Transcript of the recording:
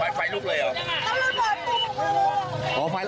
แล้วไฟลุกเลยเหรอแล้วรถปุ๊บมาเลย